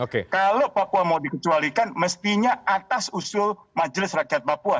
kalau papua mau dikecualikan mestinya atas usul majelis rakyat papua